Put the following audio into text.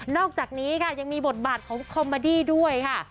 อกจากนี้ค่ะยังมีบทบาทของคอมมาดี้ด้วยค่ะ